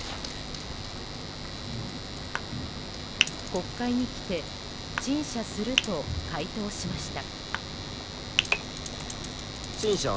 国会に来て陳謝すると回答しました。